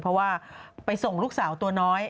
เพราะว่าไปส่งลูกสาวตัวน้อย